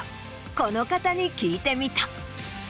この方に聞いてみた。